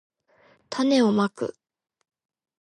たねをまく